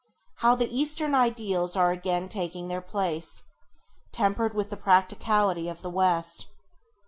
How the eastern ideals are again taking their place, tempered with the practicality of the West.